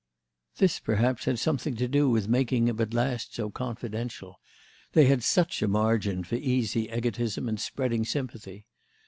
This perhaps had something to do with making him at last so confidential; they had such a margin for easy egotism and spreading sympathy.